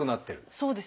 そうです。